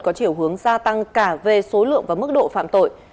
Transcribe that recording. có chiều hướng gia tăng cả về số lượng và mức độ phạm tội